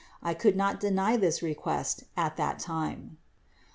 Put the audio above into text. I could not deny this request at the time."